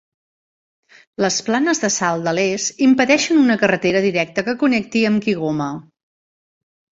Les planes de sal de l'est impedeixen una carretera directa que connecti amb Kigoma.